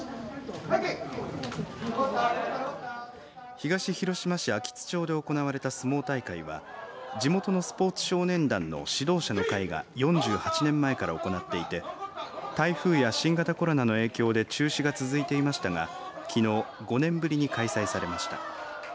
東広島市安芸津町で行われた相撲大会は地元のスポーツ少年団の指導者の会が４８年前から行っていて台風や新型コロナの影響で中止が続いていましたがきのう５年ぶりに開催されました。